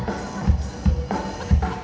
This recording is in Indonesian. oh ini dia